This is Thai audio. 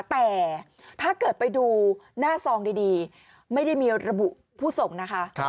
แต่ถ้าเกิดไปดูหน้าซองดีไม่ได้มีระบุผู้ส่งนะคะ